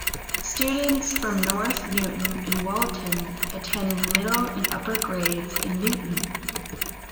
Students from North Newton and Walton attend middle and upper grades in Newton.